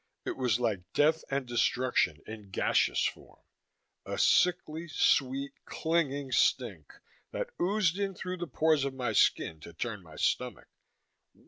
It was like death and destruction in gaseous form; a sickly sweet, clinging stink that oozed in through the pores of my skin to turn my stomach.